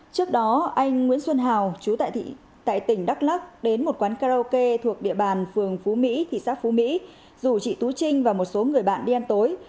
trước đó anh nguyễn xuân hào chú tại tỉnh đắk lắc đến một quán karaoke thuộc địa bàn phường phú mỹ thị xã phú mỹ rủ chị tú trinh và một số người bạn đi ăn tối